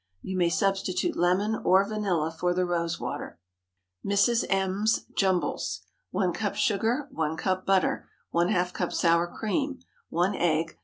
You may substitute lemon or vanilla for the rose water. MRS. M.'S JUMBLES. 1 cup sugar. 1 cup butter. ½ cup sour cream. 1 egg.